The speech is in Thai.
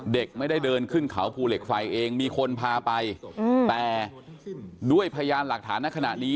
เด็กไม่ได้เดินขึ้นเขาภูเหล็กไฟเองมีคนพาไปแต่ด้วยพยานหลักฐานในขณะนี้